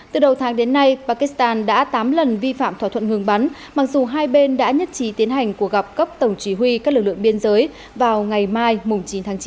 từ đầu tháng đến nay pakistan đã tám lần vi phạm thỏa thuận ngừng bắn mặc dù hai bên đã nhất trí tiến hành cuộc gặp cấp tổng chỉ huy các lực lượng biên giới vào ngày mai chín tháng chín